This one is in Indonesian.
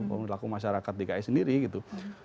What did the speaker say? perilaku masyarakat dki sendiri gitu